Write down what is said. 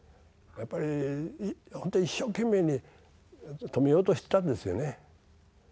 本当一生懸命に止めようとしてたんですよね。